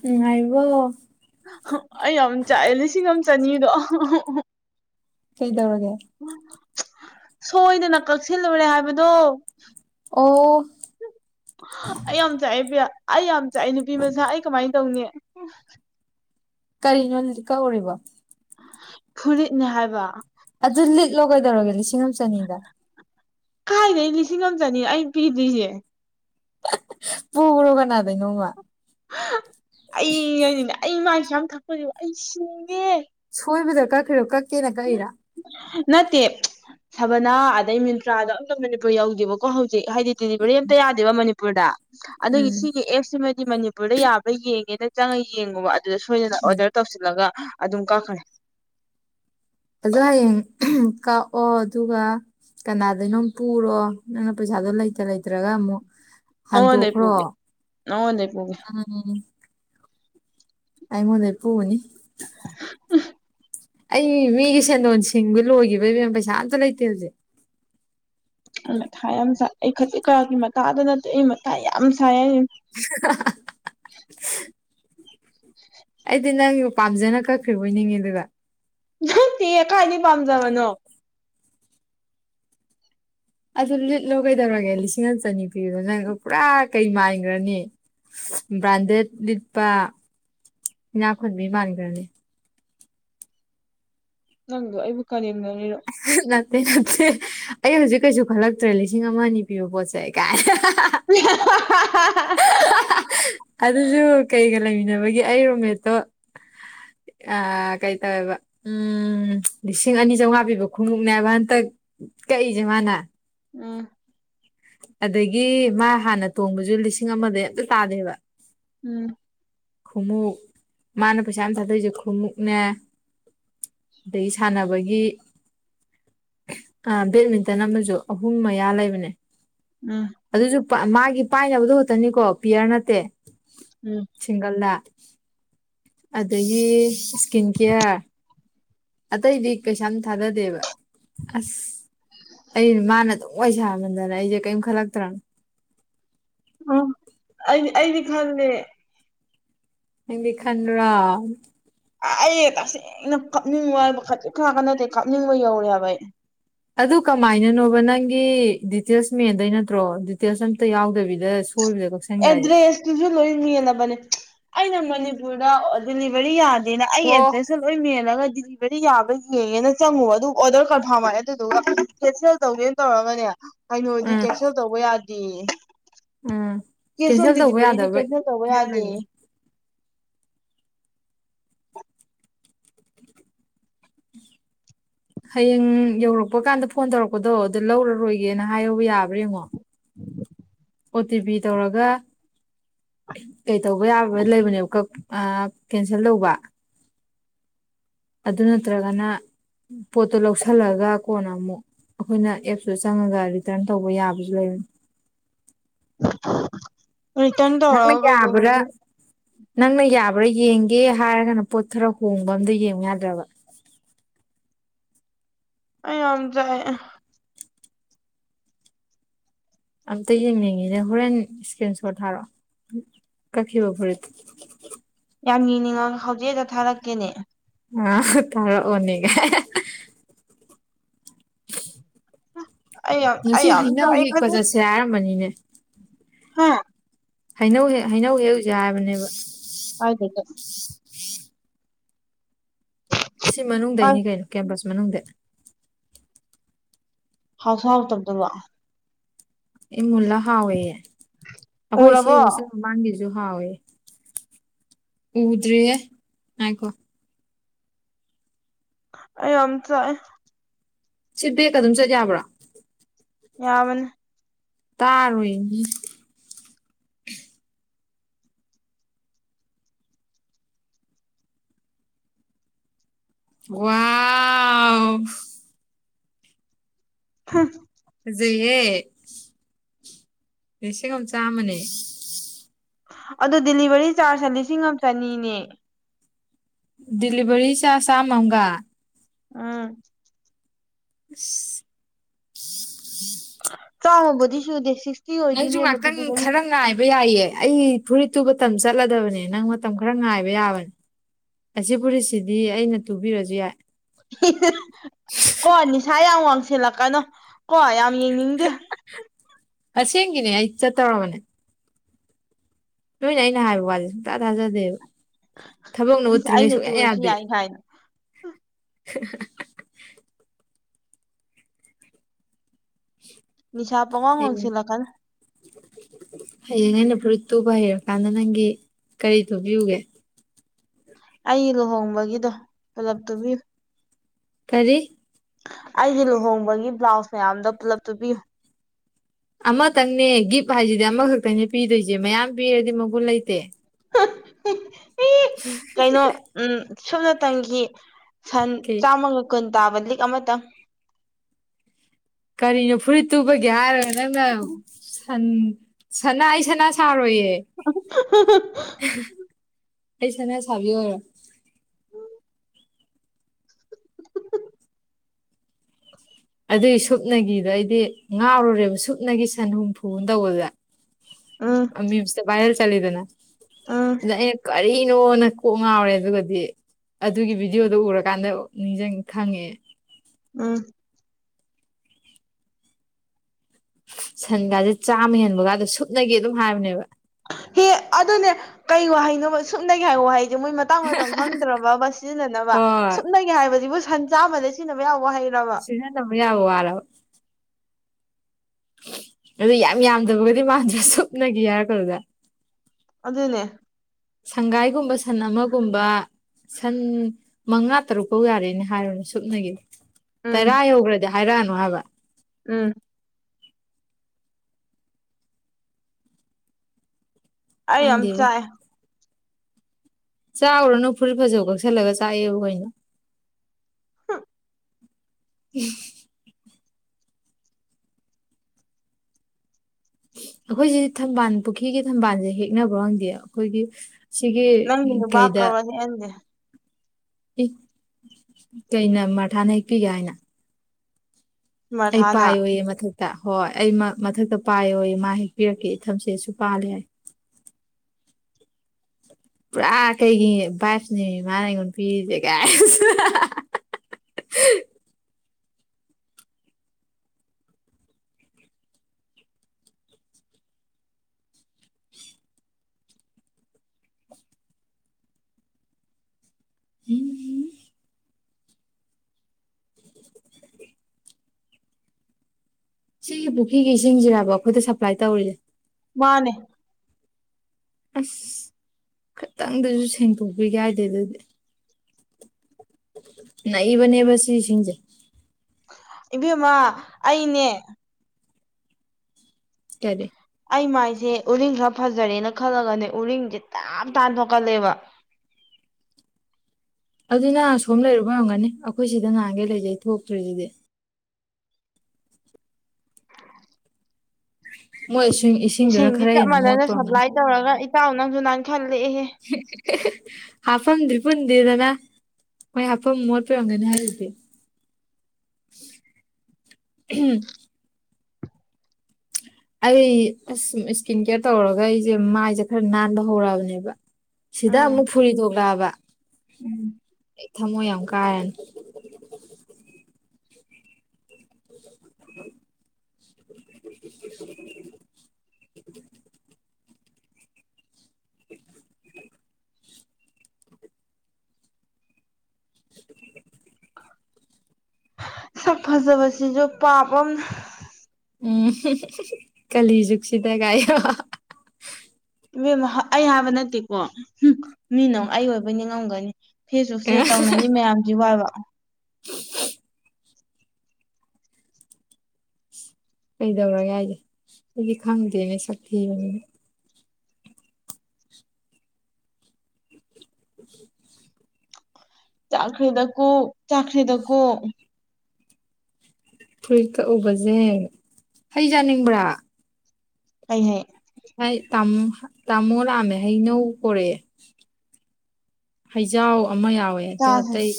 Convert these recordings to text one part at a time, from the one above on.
ꯅꯨꯉꯥꯏꯔꯤꯕꯣ ꯍꯥ ꯑꯩ ꯌꯥꯝ ꯆꯥꯛꯑꯦ ꯂꯤꯁꯤꯡ ꯑꯃ ꯆꯅꯤꯗꯣ ꯀꯩ ꯗꯧꯔꯒꯦ ꯁꯣꯏꯗꯅ ꯀꯛꯁꯤꯜꯂꯨꯔꯦ ꯍꯥꯏꯕꯗꯣ ꯑꯣ ꯑꯩ ꯌꯥꯝ ꯆꯥꯛꯑꯦ ꯄꯔꯤꯌꯥ ꯑꯩ ꯌꯥꯝ ꯆꯥꯛꯑꯦ ꯅꯨꯄꯤ ꯃꯆꯥ ꯑꯩ ꯀꯃꯥꯏ ꯇꯧꯅꯤ [inaudible] ꯀꯔꯤꯅꯣ ꯂꯤ ꯀꯛꯎꯔꯤꯕꯣ ꯐꯨꯔꯤꯠꯅꯦ ꯍꯥꯏꯕ ꯑꯗꯨ ꯂꯤꯠꯂꯣ ꯀꯩꯗꯧꯔꯒꯦ ꯂꯤꯁꯤꯡ ꯑꯃ ꯆꯅꯤꯗꯣ ꯀꯥꯏꯗꯩ ꯂꯤꯁꯤꯡ ꯑꯃ ꯆꯅꯤ ꯑꯩ ꯄꯤꯗ꯭ꯔꯤꯌꯦ ꯄꯨꯔꯣ ꯀꯅꯥꯗꯩꯅꯣꯝꯃ ꯍꯥ ꯑꯩ ꯍꯥꯢꯁꯤꯅꯤ ꯑꯩ ꯃꯥꯏꯁꯨꯌꯥꯝ ꯊꯛꯄꯖꯤꯕꯨ ꯑꯩ ꯁꯤꯅꯤꯡꯉꯦ ꯁꯣꯏꯕꯗ ꯀꯛꯈ꯭ꯔꯤꯔꯣ ꯀꯛꯀꯦꯅ ꯀꯛꯏꯔꯥ ꯅꯠꯇꯦ ꯁꯕꯥꯅ ꯑꯗꯩ ꯃꯤꯟꯇ꯭ꯔꯥꯗꯣ ꯑꯝꯇ ꯃꯅꯤꯄꯨꯔ ꯌꯧꯗꯦꯕꯀꯣ ꯍꯧꯖꯤꯛ ꯍꯥꯏꯗꯤ ꯗꯤꯂꯤꯕꯔꯤ ꯑꯝꯇ ꯌꯥꯗꯦꯕ ꯃꯅꯤ ꯄꯨꯔꯗ ꯑꯗꯨꯒꯤ ꯎꯝ ꯁꯤꯒꯤ ꯑꯦꯞꯁꯤꯃꯗꯤ ꯃꯅꯤꯄꯨꯔꯗ ꯌꯥꯕ꯭ꯔꯥ ꯌꯦꯡꯉꯦꯅ ꯆꯪꯉ ꯌꯦꯡꯉꯨꯕ ꯑꯗꯨ ꯑꯗꯨꯗ ꯁꯣꯏꯗꯅ ꯎꯝ ꯑꯣꯗꯔ ꯇꯧꯁꯤꯜꯂꯒ ꯑꯗꯨꯝ ꯀꯛꯈ꯭ꯔꯦ ꯐꯖ ꯍꯌꯦꯡ ꯀꯛꯑꯣ ꯑꯗꯨꯒ ꯀꯅꯥꯗꯩꯅꯣꯝ ꯄꯨꯔꯣ ꯅꯪꯅ ꯄꯩꯁꯥꯗꯣ ꯂꯩꯇ ꯂꯩꯇ꯭ꯔꯒ ꯑꯃꯨꯛ ꯅꯉꯣꯟꯗꯩ ꯍꯟꯇꯣꯛꯈ꯭ꯔꯣ ꯄꯨꯒꯦ ꯅꯉꯣꯟꯗꯩ ꯄꯨꯒꯦ ꯎꯝ ꯑꯩꯉꯣꯟꯗꯩꯩ ꯄꯨꯅꯤ [unintelligible] ꯑꯩ ꯃꯤꯒꯤ ꯁꯦꯟꯗꯣꯟꯁꯤꯡꯗꯨ ꯂꯣꯏꯈꯤꯕ ꯏꯕꯦꯝ ꯄꯩꯁꯥ ꯑꯝꯇ ꯂꯩꯇꯦ ꯍꯧꯖꯤꯛ ꯑꯩ ꯃꯊꯥ ꯌꯥꯝ ꯁꯥꯏ ꯑꯩ ꯈꯖꯤꯛ ꯈꯔꯥꯛꯀꯤ ꯃꯊꯥꯗ ꯅꯠꯇꯦ ꯑꯩ ꯃꯊꯥ ꯌꯥꯝ ꯁꯥꯏ ꯍꯥꯏꯖꯤꯅꯤ꯫ ꯑꯩꯗꯤ ꯅꯪꯒꯤ ꯄꯥꯝꯖꯅ ꯀꯛꯈ꯭ꯔꯤꯕꯣ ꯅꯤꯡꯉꯤ ꯑꯗꯨꯒ꯫ ꯑ ꯅꯠꯇꯦ ꯀꯥꯏꯗꯩ ꯄꯥꯝꯖꯕꯅꯣ ꯑꯗꯨ ꯂꯤꯠꯂꯣ ꯀꯩꯗꯧꯔꯒꯦ ꯂꯤꯁꯤꯡ ꯑꯃ ꯆꯅꯤ ꯄꯤꯕꯗꯣ ꯅꯪ ꯄꯨꯔꯥ ꯀꯩ ꯃꯥꯟꯈ꯭ꯔꯅꯤ ꯕ꯭ꯔꯥꯟꯗꯦꯠ ꯂꯤꯠꯄ ꯏꯅꯥꯈꯣꯟꯕꯤ ꯃꯥꯟꯈ꯭ꯔꯅꯤ ꯅꯪꯗꯨ ꯑꯩꯕꯨ ꯀꯥꯔꯦꯝꯅꯔꯤꯔꯣ ꯑꯍ ꯅꯠꯇꯦ ꯅꯠꯇꯦ ꯑꯩ ꯍꯧꯖꯤꯛ ꯀꯩꯁꯨ ꯈꯜꯂꯛꯇ꯭ꯔꯦ ꯂꯤꯁꯤꯡ ꯑꯃ ꯑꯅꯤ ꯄꯤꯕ ꯄꯣꯠꯁꯦ ꯀꯥꯏ ꯑꯍꯍ ꯍꯥ ꯑꯗꯨꯖꯨ ꯀꯩꯒ ꯂꯩꯃꯤꯟꯅꯕꯒꯤ ꯑꯩ ꯔꯨꯝꯃꯦꯠꯇꯣ ꯑ ꯀꯩꯇꯧꯋꯦꯕ ꯎꯝ ꯂꯤꯁꯤꯡ ꯑꯅꯤ ꯆꯥꯝꯃꯉꯥ ꯄꯤ [unintelligible] ꯍꯥꯏꯕ ꯍꯟꯇꯛ ꯀꯛꯏꯖꯦ ꯃꯥꯅ꯫ ꯎꯝ ꯑꯗꯒꯤ ꯃꯥ ꯍꯥꯟꯅ ꯇꯣꯡꯕꯁꯨ ꯂꯤꯁꯤꯡ ꯑꯃꯗꯩꯩ ꯑꯝꯇ ꯇꯥꯗꯦꯕ ꯎꯝ ꯈꯣꯡꯃꯨꯛ ꯃꯥꯅ ꯄꯩꯁꯥ ꯌꯥꯝ ꯊꯥꯗꯔꯤꯁꯦ ꯈꯣꯡꯃꯨꯛꯞꯅꯦ ꯑꯗꯩ ꯁꯥꯟꯅꯕꯒꯤ꯫ ꯑ ꯕꯦꯠꯃꯤꯟꯇꯟ ꯑꯃꯁꯨ ꯑꯍꯨꯝ ꯃꯌꯥ ꯂꯩꯕꯅꯦ ꯎꯝ꯫ ꯑꯗꯨꯖꯨ ꯃꯥꯒꯤ ꯄꯥꯏꯅꯕꯗꯣ ꯈꯛꯇꯅꯤꯀꯣ ꯄꯤꯌꯔ ꯅꯠꯇꯦ꯫ ꯎꯝ ꯁꯤꯡꯒꯜꯗ꯫ ꯑꯗꯒꯤ ꯏꯁꯀꯤꯟ ꯀꯦꯌꯥꯔ ꯑꯇꯩꯗꯤ ꯀꯩꯁꯥ ꯌꯥꯝ ꯊꯥꯗꯗꯦꯕ ꯑꯁ ꯑꯩ ꯃꯥꯅꯗꯣ ꯋꯥꯔꯤ ꯁꯥꯃꯟꯗꯅ ꯑꯩꯖꯦ ꯀꯩꯏꯝ ꯈꯜꯂꯛꯇ꯭ꯔꯝ꯫ ꯎꯝ ꯑꯩ ꯑꯩꯗꯤ ꯈꯪꯗꯦ ꯅꯪꯗꯤ ꯈꯨꯗꯔꯣ꯫ ꯑꯩ ꯇꯁꯦꯡꯅ ꯀꯥꯅꯤꯡꯕ ꯍꯥꯏꯕ ꯈꯖꯤꯛ ꯈꯔ ꯀ ꯅꯠꯇꯦ ꯀꯥꯞꯅꯤꯡꯕ ꯌꯧꯔꯦ ꯍꯥꯏꯕ ꯑꯩ ꯑꯗꯨ ꯀꯃꯥꯏꯅꯅꯣꯕ ꯅꯪꯒꯤ ꯗꯤꯇꯦꯜꯁ ꯃꯦꯟꯗꯩ ꯅꯠꯇ꯭ꯔꯣ ꯗꯤꯇꯦꯜꯁ ꯑꯝꯇ ꯌꯥꯎꯗꯕꯤꯗ ꯁꯣꯏꯕꯤꯗ ꯀꯛꯁ ꯑꯦꯗ꯭ꯔꯦꯁꯇꯨꯖꯨ ꯂꯣꯏ ꯃꯦꯜꯂꯕꯅꯦ ꯑꯩꯅ ꯃꯅꯤꯄꯨꯔꯗ ꯑꯣ ꯗꯤꯂꯤꯕꯔꯤ ꯌꯥ [unintelligible] ꯑꯩ ꯑꯣ ꯑꯗꯨꯗ ꯁꯨꯝ ꯂꯣꯏ ꯃꯦꯜꯂꯒ ꯗꯤꯂꯤꯚꯔꯤ ꯌꯥꯕ꯭ꯔꯥ ꯌꯦꯡꯉꯦꯅ ꯆꯪꯉꯨꯕ ꯑꯗꯨ ꯑꯣꯔꯗꯔ ꯀꯟꯐꯥꯔꯝ ꯍꯥꯏ ꯑꯗꯨꯗꯨꯒ ꯀꯦꯟꯁꯦꯜ ꯇꯧꯒꯦꯅ ꯇꯧꯔꯒꯅꯦ ꯀꯩꯅꯣꯗꯤ ꯎꯝ ꯀꯦꯟꯁꯦꯜ ꯇꯧꯕ ꯌꯥꯗꯦ ꯎꯝ ꯀꯦꯁ ꯑꯣꯟ ꯀꯦꯟꯁꯦꯜ ꯇꯧꯕ ꯗꯤꯂꯤꯚꯔꯤꯗꯤ ꯌꯥꯗꯕ ꯀꯦꯟꯁꯦꯜ ꯇꯧꯕ ꯀꯦꯕ ꯌꯥꯗꯦ ꯂꯩꯕ ꯍꯌꯦꯡ ꯌꯧꯔꯛꯄ ꯀꯥꯟꯗ ꯐꯣꯟ ꯇꯧꯔꯛꯄꯗꯣ ꯑꯗꯨ ꯂꯧꯔꯔꯣꯏꯒꯦꯅ ꯍꯥꯏꯌꯣ ꯌꯥꯕ꯭ꯔꯥ ꯌꯦꯡꯉꯣ꯫ [inaudible] ꯑꯣ ꯇꯤ ꯄꯤ ꯇꯧꯔꯒ ꯀꯩ ꯇꯧꯕ ꯌꯥꯕ ꯂꯩꯕꯅꯦꯕ ꯀꯛ ꯑ ꯀꯦꯟꯁꯦꯜ ꯇꯧꯕ꯫ ꯑꯗꯨ ꯅꯠꯇ꯭ꯔꯒꯅ ꯄꯣꯠꯇꯨ ꯂꯧꯁꯜꯂꯒ ꯀꯣꯟꯅ ꯑꯃꯨꯛ ꯑꯩꯈꯣꯏꯅ ꯑꯦꯞꯁꯇꯨꯗ ꯆꯪꯉꯒ ꯔꯤꯇ꯭ꯔꯟ ꯇꯧꯕ ꯌꯥꯕꯖꯨ ꯂꯩꯕꯅꯤ꯫ ꯔꯤꯇꯔꯟ ꯇꯧꯔ ꯅꯪꯅ ꯌꯥꯕ꯭ꯔꯥ ꯀꯩꯗꯧꯒꯅꯤ ꯅꯪꯅ ꯌꯥꯕ꯭ꯔꯥ ꯌꯦꯡꯒꯦ ꯍꯥꯏꯔꯒꯅ ꯄꯣꯠ ꯈꯔ ꯍꯣꯡꯕ ꯑꯝꯗ ꯌꯦꯡꯉꯨ ꯌꯥꯗ꯭ꯔꯕ꯫ ꯑꯩ ꯌꯥꯝ ꯆꯥꯛꯑꯦ꯫ ꯑꯝꯇ ꯌꯦꯡꯅꯤꯡꯉꯤꯅꯦ ꯍꯣꯔꯦꯟ ꯏꯁꯀ꯭ꯔꯤꯟ ꯁꯣꯠ ꯊꯥꯔꯛꯑꯣ ꯀꯛꯈꯤꯕ ꯐꯨꯔꯤꯠ ꯌꯥꯝ ꯌꯦꯅꯤꯡꯉ ꯍꯧꯖꯤꯛ ꯍꯦꯛꯇ ꯊꯥꯔꯛꯀꯦꯅꯦ ꯑ ꯊꯥꯔꯛꯑꯣꯅꯦ ꯒ ꯑꯩ ꯌꯥꯝ ꯑꯩ ꯉꯁꯤ ꯌꯥꯝ ꯍꯩꯅꯧ ꯆꯥꯛꯑꯦ ꯍꯦꯛꯄ ꯈꯖꯤꯛ ꯆꯠꯁꯦ ꯍꯥꯏꯔꯝꯕꯅꯤꯅꯦ ꯍꯥ꯫ ꯍꯩꯅꯧ ꯍꯦꯛ ꯍꯩꯅꯧ ꯍꯦꯛꯑꯨꯖꯦ ꯍꯥꯏꯕꯅꯦꯕ꯫ ꯀꯥꯏꯗꯦꯗ ꯁꯤ ꯃꯅꯨꯡꯗꯩꯅꯤ ꯑꯁ ꯀꯩꯅꯣ ꯀꯦꯝꯄꯁ ꯃꯅꯨꯡꯗꯩ꯫ ꯍꯥꯎꯁꯨ ꯍꯥꯎꯇꯕꯗꯨꯕꯣ ꯏ ꯃꯨꯜꯂ ꯍꯥꯎꯋꯦꯌꯦ ꯑꯩꯈꯣꯏ ꯁꯤ ꯎꯔꯕꯣ ꯍꯣꯁ ꯃꯃꯥꯡꯒꯤꯁꯨ ꯍꯥꯎꯋꯦ ꯎꯗ꯭ꯔꯤꯌꯦ ꯉꯥꯏꯈꯣ ꯫ ꯑꯩ ꯌꯥꯝ ꯆꯥꯛꯑꯦ꯫ ꯁꯤ ꯕꯦꯛꯀ ꯑꯗꯨꯝ ꯆꯠ ꯌꯥꯕ꯭ꯔꯣ ꯌꯥꯕꯅꯤ꯫ ꯇꯥꯔꯣꯏꯅꯤ꯫ ꯋꯥ꯫ ꯍ ꯐꯖꯩꯍꯦ ꯂꯤꯁꯤꯡ ꯑꯝ ꯆꯥꯝꯃꯅꯦ꯫ ꯑꯗꯨ ꯗꯤꯂꯤꯚꯔꯤ ꯆꯥꯔꯖꯅ ꯂꯤꯁꯤꯡ ꯑꯃ ꯆꯅꯤꯅꯦ ꯗꯤꯂꯤꯚꯔꯤ ꯆꯥꯁ ꯆꯥꯃ ꯑꯝꯒ ꯑ꯫ ꯑꯁ꯫ ꯆꯥꯝꯃꯕꯨꯗꯤ ꯁꯨꯗꯦ ꯁꯤꯛꯁ ꯅꯪꯖꯨ ꯉꯥꯛꯇꯪ ꯈꯔ ꯉꯥꯏꯕ ꯌꯥꯏꯌꯦ꯫ ꯑꯩ ꯐꯨꯔꯤꯠꯇꯨꯕ ꯇꯝ ꯆꯠꯂꯗꯕꯅꯦ ꯅꯪ ꯃꯇꯝ ꯈꯔ ꯉꯥꯏꯕ ꯌꯥꯕꯅꯦ ꯑꯁꯤ ꯄꯨꯔꯤꯠꯁꯤꯗꯤ ꯑꯩꯅ ꯇꯨꯕꯤꯔꯖꯨ ꯌꯥꯏ꯫ ꯍꯥꯍꯦ ꯀꯣ ꯅꯤꯁꯥ ꯌꯥꯝ ꯋꯥꯡꯁꯤꯜꯂꯛꯀꯅꯨ ꯀꯣ ꯌꯥꯝ ꯌꯦꯡꯅꯤꯡꯗꯦ ꯑꯁꯦꯡꯒꯤꯅꯦ ꯑꯩ ꯆꯠꯇꯣꯔꯕꯅꯦ꯫ ꯅꯣꯏꯅ ꯑꯩꯅ ꯍꯥꯏꯕ ꯋꯥꯁꯦ ꯁꯨꯡꯊꯥ ꯊꯥꯖꯗꯦꯕ ꯊꯕꯛꯅ ꯎꯠꯇ꯭ꯔꯤꯉꯩ ꯑꯩꯅ ꯁꯨꯡꯛꯌꯥ ꯇꯨꯔꯁꯨ ꯌꯥꯗꯦ ꯌꯥꯏ ꯀꯥꯏꯅ [unintelligible] ꯅꯤꯁꯥ ꯄꯪꯋꯥꯡ ꯍꯌꯦꯡ ꯋꯥꯡꯁꯤꯜꯂꯛꯀꯅꯨ꯫ ꯍꯌꯦꯡ ꯑꯩꯅ ꯐꯨꯔꯤꯠ ꯇꯨꯕ ꯍꯩꯔꯀꯥꯟꯗ ꯅꯪꯒꯤ ꯀꯔꯤ ꯇꯨꯕꯤꯌꯨꯒꯦ꯫ ꯑꯩ ꯂꯨꯍꯣꯡꯕꯒꯤꯗꯣ ꯄꯨꯂꯞ ꯇꯨꯕꯤꯌꯨ ꯀꯔꯤ꯫ ꯑꯩꯒꯤ ꯂꯨꯍꯣꯡꯕꯒꯤ ꯕ꯭ꯂꯥꯎꯁ ꯃꯌꯥꯝꯗꯣ ꯄꯨꯂꯞ ꯇꯨꯕꯤꯌꯨ꯫ ꯑꯃꯇꯪꯅꯦ ꯒꯤꯞ ꯍꯥꯏꯖꯤꯗꯤ ꯑꯃꯈꯛꯇꯅꯦ ꯄꯤꯗꯣꯏꯖꯦ ꯃꯌꯥꯝ ꯄꯤꯔꯗꯤ ꯃꯒꯨꯟ ꯂꯩꯇꯦ꯫ ꯍ ꯍꯨ ꯍꯩ ꯀꯩꯅꯣ ꯎꯝ ꯁꯨꯞꯅꯇꯪꯒꯤ ꯁꯟ ꯀꯩ ꯆꯥꯝꯃꯒ ꯀꯨꯟ ꯇꯥꯕ ꯂꯤꯛ ꯑꯃꯇꯪ ꯀꯔꯤꯅꯣ ꯐꯨꯔꯤꯠ ꯇꯨꯕꯒꯦ ꯍꯥꯏꯔꯒ ꯅꯪꯅ ꯁꯟ ꯁꯅꯥ ꯑꯩ ꯁꯅꯥ ꯁꯥꯔꯣꯏꯌꯦ [unintelligible] ꯑꯍ ꯑꯩ ꯁꯅꯥ ꯁꯕꯤ ꯑꯣꯏꯔꯣꯏ ꯑꯗꯨꯏ ꯁꯨꯞꯅꯒꯤꯗꯣ ꯑꯩꯗꯤ ꯉꯥꯎꯔꯨꯔꯦꯕ ꯁꯨꯞꯅꯒꯤ ꯁꯟ ꯍꯨꯝꯐꯨꯅ ꯇꯧꯕꯗ ꯎꯝ ꯑꯃꯤꯁꯇ ꯕꯤꯔꯜ ꯆꯂꯤꯗꯅ ꯎꯝ ꯑꯗꯨꯗ ꯑꯩꯅ ꯀ ꯑꯩ ꯅꯪꯉꯣꯟꯗ ꯀꯣꯛ ꯉꯥꯎꯔꯦ ꯑꯗꯨꯒꯗꯤ꯫ ꯑꯗꯨꯒꯤ ꯚꯤꯗꯤꯑꯣꯗꯣ ꯎꯔꯀꯥꯟꯗ ꯅꯤꯡꯁꯤꯡ ꯈꯪꯉꯦ ꯎꯝ ꯁꯟꯒꯥꯁꯦ ꯆꯥꯝꯃ ꯍꯦꯟꯕꯀꯗ ꯁꯨꯞꯅꯒꯤ ꯑꯗꯨꯝ ꯍꯥꯏꯕꯅꯦꯕ ꯍꯦ ꯑꯗꯨꯅꯦ ꯀꯩ ꯋꯥꯍꯩꯅꯣ ꯁꯨꯞꯅꯒꯦ ꯍꯥꯏꯕ ꯋꯥꯍꯩꯁꯦ ꯃꯣꯏ ꯃꯇꯥꯡ ꯃꯇꯝ ꯈꯪꯗ꯭ꯔꯕꯕ ꯁꯤꯖꯤꯟꯅꯅꯕ ꯍꯣꯏ ꯁꯨꯞꯅꯒꯤ ꯍꯥꯏꯕꯁꯤꯕꯨ ꯁꯟ ꯆꯥꯝꯃ ꯑꯃꯗ ꯁꯤꯖꯤꯟꯅꯕ ꯌꯥꯕ ꯋꯍꯩꯔꯕ ꯀꯣꯏ ꯇꯝ ꯇꯝꯕ ꯌꯥꯕ ꯋꯥꯔꯕ ꯑꯗꯨ ꯌꯥꯝ ꯌꯥꯝꯗꯕꯒꯗꯤ ꯃꯥꯟꯁꯨ ꯁꯨꯞꯅꯒꯦ ꯍꯥꯏꯔꯛꯀꯗꯨꯗ ꯑꯗꯨꯅꯦ ꯁꯪꯒꯥꯏꯒꯨꯝꯕ ꯁꯟ ꯑꯃꯒꯨꯝꯕ ꯁꯟ ꯃꯉꯥ ꯇꯔꯨꯛ ꯐꯧ ꯌꯥꯔꯦꯅꯦ ꯍꯥꯏꯔꯣꯅꯦ ꯁꯨꯞꯅꯒꯤ ꯇꯔꯥ ꯎꯝ ꯌꯧꯒ꯭ꯔꯗꯤ ꯍꯥꯏꯔꯛꯑꯅꯨ ꯍꯥꯏꯕ ꯎꯝ ꯑꯩ ꯌꯥꯝ ꯈꯪꯗꯦꯕꯨ ꯆꯥꯛꯑꯦ ꯆꯥꯛꯎꯔꯅꯨ ꯐꯨꯔꯤꯠ ꯐꯖꯕ ꯀꯛꯁꯜꯂꯒ ꯆꯥꯛꯑꯦꯕꯨ ꯀꯩꯅꯣ ꯍ [unintelligible] ꯑꯩꯈꯣꯏꯁꯤ ꯊꯝꯕꯥꯜ ꯄꯨꯈ꯭ꯔꯤꯒꯤ ꯊꯝꯕꯥꯜꯁꯦ ꯍꯦꯛꯅꯕ꯭ꯔꯣ ꯈꯪꯗꯤꯌꯦ ꯑꯩꯈꯣꯏꯒꯤ ꯁꯤꯒꯤ ꯅꯪꯒꯤ ꯅꯨꯄꯥ ꯀꯩꯗ [unintelligible] ꯏ ꯀꯩꯅ ꯃꯔꯊꯥꯅ ꯍꯦꯛꯄꯤꯒꯦ ꯍꯥꯏꯅ ꯑꯩ ꯃꯔꯊꯥꯅ ꯄꯥꯌꫭꯌꯦ ꯃꯊꯛ ꯍꯣꯏ ꯑꯩ ꯃꯊꯛꯇ ꯄꯥꯏꯌꯣ ꯃꯥ ꯍꯦꯛꯄꯤꯔꯛꯀꯦ ꯏꯊꯝꯁꯦꯠꯁꯨ ꯄꯥꯜꯂꯦ ꯍꯥꯏ ꯄꯨꯔꯥ ꯀꯩꯒꯤ ꯚꯥꯏꯁꯅꯦ ꯃꯥꯅ ꯑꯩꯉꯣꯟ ꯄꯤꯔꯤꯁꯦ ꯀꯥꯏ [inaudible] [unintelligible] ꯁꯤꯒꯤ ꯄꯨꯈ꯭ꯔꯤꯒꯤ ꯏꯁꯤꯡꯁꯤꯔꯔꯕ ꯑꯩꯈꯣꯏꯗ ꯁꯄ꯭ꯂꯥꯏ ꯇꯧꯔꯤꯁꯦ ꯃꯥꯅꯦ ꯑꯁ ꯈꯤꯇꯪꯗꯁꯨ ꯁꯦꯡꯗꯣꯛꯄꯤ ꯍꯥꯏꯗꯦ ꯑꯗꫭꯏꯗꯤ ꯅꯩꯕꯅꯦ ꯃꯁꯤ ꯏꯁꯤꯡꯖꯦ ꯏꯕꯦꯝꯃꯥ ꯑꯩꯅꯦ [unintelligible] ꯑꯩ ꯃꯥꯏꯁꯦ ꯎꯔꯤꯡ ꯈꯔ ꯐꯖꯔꯦꯅ ꯈꯜꯂꯒꯅꯦ ꯎꯔꯤꯡꯁꯦ ꯇꯥꯞ ꯇꯥꯏ ꯊꯣꯛꯀꯠꯂꯛ ꯑꯦꯕ ꯑꯗꯨ ꯅꯍꯥꯟ ꯁꯣꯝ ꯂꯩꯔꯨꯕ ꯉꯝꯒꯅꯤ ꯑꯩꯈꯣꯏ ꯁꯤꯗ ꯅꯍꯥꯟꯒꯦ ꯂꯩꯖꯩ ꯊꯣꯛꯇ꯭ꯔꯤꯗꯨꯗꯤ ꯃꯣꯏꯁꯨ ꯏꯁꯤꯡꯗꯨꯅ ꯏꯁꯤꯡꯗꯤ ꯈꯔ ꯆꯞ ꯍꯦꯟꯅ ꯃꯥꯟꯅꯅ ꯃꯣꯠꯄ ꯑꯣꯏꯔꯝꯒꯅꯤ ꯁꯄ꯭ꯂꯥꯏ ꯇꯧꯔꯒ ꯏꯇꯥꯎ ꯅꯪꯁꯨ ꯅꯍꯟ ꯈꯜꯂꯛꯑꯦꯍꯦ ꯍꯥꯐꯝꯝꯗ꯭ꯔꯤ ꯄꯨꯟꯗꯦꯗꯅ ꯍꯣꯏ ꯍꯥꯐꯝ ꯃꯣꯠꯄꯩ ꯑꯣꯏꯔꯝꯒꯅꯤ ꯍꯥꯏꯗꯨꯗꯤ [inaudible] ꯑꯩ ꯑꯁ ꯏꯁꯀꯤꯟ ꯀꯦꯌꯔ ꯇꯧꯔꯒ ꯑꯩꯁꯦ ꯃꯥꯏꯁꯦ ꯈꯔ ꯅꯥꯟꯕ ꯍꯧꯔꯛꯑꯕꯅꯦꯕ ꯁꯤꯗ ꯎꯝ ꯑꯃꯨꯛ ꯐꯨꯔꯤ ꯊꯣꯛꯣꯛꯂꯛꯑꯕ ꯑꯩ ꯊꯃꯣꯏ ꯌꯥꯝ ꯀꯥꯏꯔꯅꯤ [inaudible] ꯁꯛ ꯐꯖꯕꯁꯤꯁꯨ ꯄꯥꯕ ꯑꯝꯅꯦ ꯎꯝ ꯀꯂꯤꯖꯨꯛꯁꯤꯗꯒꯥꯏꯌꫭ ꯏꯕꯦꯝꯃ ꯍꯛ ꯑꯩ ꯍꯥꯏꯕ ꯅꯠꯇꯦꯀꯣ ꯃꯤꯅ ꯑꯩ ꯑꯣꯏꯕꯣꯏ ꯅꯤꯡꯉꯝꯒꯅꯤ ꯐꯦꯁ ꯕꯨꯛꯁꯤꯗ ꯇꯧꯅꯩ ꯃꯌꯥꯝꯁꯤꯕꯨ ꯍꯥꯏꯕ ꯀꯩꯗꯧꯔꯒꯦ ꯍꯥꯏꯁꯦ ꯑꯩꯗꯤ ꯈꯪꯗꯦꯅꯦ ꯁꯛ ꯊꯤꯕꯅꯤꯅ [inaudible] ꯆꯥꯛꯈ꯭ꯔꯦꯗꯀꯣ ꯆꯥꯛꯈ꯭ꯔꯦꯗꯀꯣ ꯐꯨꯔꯤꯠ ꯀꯛꯎꯕꯁꯦ ꯍꯩ ꯆꯥꯅꯤꯡꯕ꯭ꯔꯥ ꯀꯩ ꯍꯩ ꯍꯥꯏ ꯇꯝ ꯇꯥꯃꯣ ꯂꯛ ꯑꯝꯃꯦ ꯍꯩꯏꯅꯧ ꯄꯔꯛꯑꯦ ꯍꯩꯖꯥꯎ ꯑꯃ ꯌꯥꯎꯋꯦ ꯑ ꯆꯥꯁꯦ ꯑꯇꯩ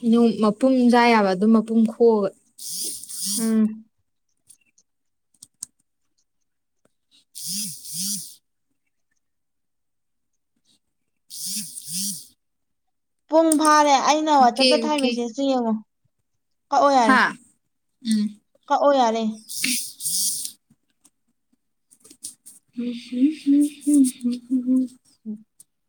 ꯍꯩꯅꯧ ꯃꯄꯨꯝ ꯆꯥ ꯌꯥꯕ ꯑꯗꯨꯝ ꯃꯄꯨꯝ ꯈꯣꯛꯑꯒ ꯎꯝ ꯄꯨꯡ ꯐꯥꯔꯦ ꯑꯩꯅ ꯑꯣꯀꯦ ꯋꯥꯆꯞꯇ ꯊꯥꯏ ꯃꯦꯁꯦꯖꯇꯣ ꯌꯦꯡꯉꯣ ꯀꯛꯑꯣ ꯌꯥꯔꯦ ꯍꯥꯥ ꯎꯝ ꯀꯛꯑꯣ ꯌꯥꯔꯦ [inaudible] [inaudible] [inaudible]